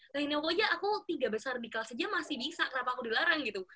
nah ini aku aja aku tidak besar di kelas aja masih bisa kenapa aku dilarang gitu